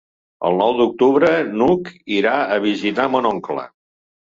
El nou d'octubre n'Hug irà a visitar mon oncle.